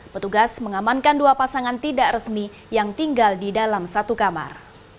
petugas mengamankan dua pasangan tidak resmi yang tinggal di dalam satu kamar